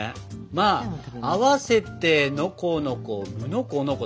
「あわせてのこのこむのこのこ」